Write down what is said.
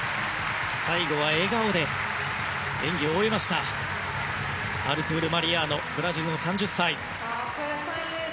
最後は笑顔で演技を終えましたアルトゥール・マリアーノブラジルの３０歳。